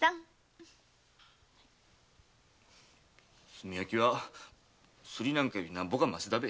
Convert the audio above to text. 炭焼きはスリなんかよりなんぼかましだべ。